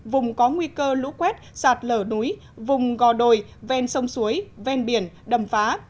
vùng có nguy cơ lũ quét sạt lở núi vùng gò đồi ven sông suối ven biển đầm phá